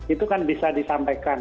itu kan bisa disampaikan